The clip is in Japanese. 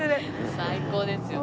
最高ですよね。